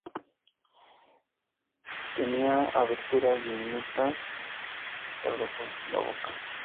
Tenía aberturas diminutas para los ojos y la boca.